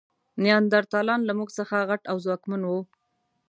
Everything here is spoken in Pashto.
نیاندرتالان له موږ څخه غټ او ځواکمن وو.